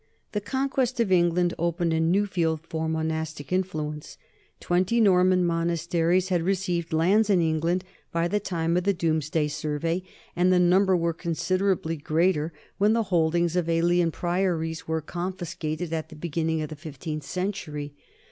The conquest of England opened a new field for monastic influence: twenty Norman mon asteries had received lands in England by the time of the 172 NORMANS IN EUROPEAN HISTORY Domesday survey, and the number was considerably greater when the holdings of alien priories were confis cated at the beginning of the fifteenth century.